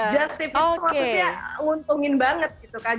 just tips itu maksudnya nguntungin banget gitu kan